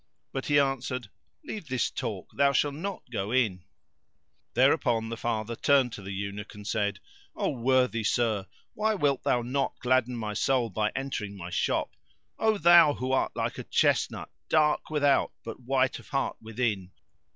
But he answered, "Leave this talk, thou shalt not go in." Thereupon the father turned to the Eunuch and said, "O worthy sir, why wilt thou not gladden my soul by entering my shop? O thou who art like a chestnut, dark without but white of heart within!